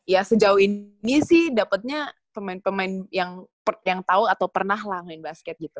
ya sejauh ini sih dapetnya pemain pemain yang tahu atau pernah lah main basket gitu